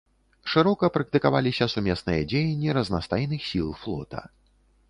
Шырока практыкаваліся сумесныя дзеянні разнастайных сіл флота.